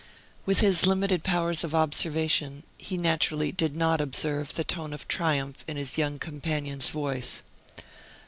With his limited powers of observation, he naturally did not observe the tone of triumph in his young companion's voice.